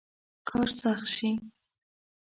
کار سخت شي.